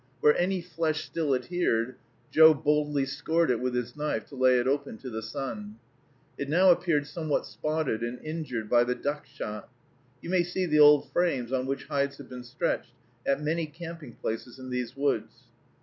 Where any flesh still adhered, Joe boldly scored it with his knife to lay it open to the sun. It now appeared somewhat spotted and injured by the duck shot. You may see the old frames on which hides have been stretched at many camping places in these woods.